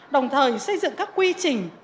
đồng thời xây dựng các quy trình